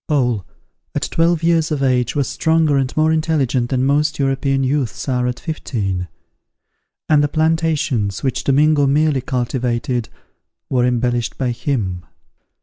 Paul, at twelve years of age, was stronger and more intelligent than most European youths are at fifteen; and the plantations, which Domingo merely cultivated, were embellished by him.